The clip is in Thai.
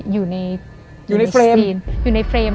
อยู่ในเฟรม